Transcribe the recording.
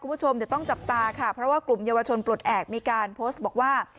คุณผู้ชมเดี๋ยวต้องจับตาค่ะเพราะว่ากลุ่มเยาวชนปลดแอบมีการโพสต์บอกว่า